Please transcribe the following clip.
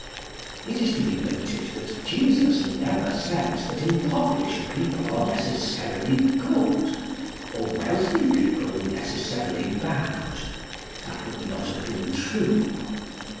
It is to be noted that Jesus never says that impoverished people are necessarily good, or wealthy people necessarily bad. That would not have been true.